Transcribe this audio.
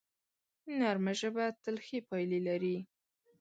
نرمه ژبه تل ښې پایلې لري